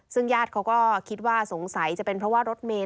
ซึ่งญาติเขาก็คิดว่าสงสัยจะเป็นเพราะว่ารถเมย์